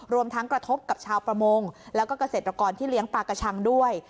รวมทั้งกระทบกับชาวประมงแล้วก็เกษตรกรที่เลี้ยงปลากระชังด้วย